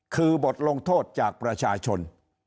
คือบทลงโทษจากประชาชน